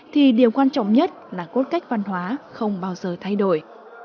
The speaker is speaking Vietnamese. thì điều quan trọng nhất là cốt cách văn hóa không bao giờ thay đổi